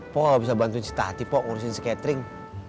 pok gak bisa bantuin si tati ngurusin si catering